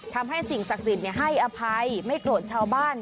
ทำให้สิ่งศักดิ์สิทธิ์ให้อภัยไม่โกรธชาวบ้าน